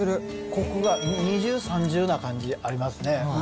こくが二重、三重な感じでありますね。